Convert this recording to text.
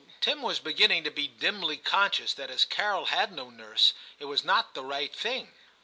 Tim was beginning to be dimly conscious that as Carol had no nurse, it was not the right thing.